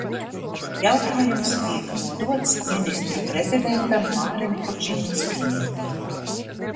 Jautājums tiek nodots Ministru prezidentam Mārim Kučinskim.